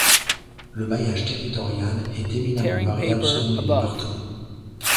Le maillage territorial est éminemment variable selon les départements.